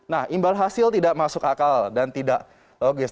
nah imbal hasil tidak masuk akal dan tidak logis